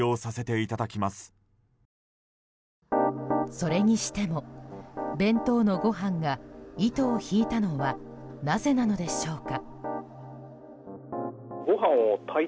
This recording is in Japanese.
それにしても弁当のご飯が糸を引いたのはなぜなのでしょうか。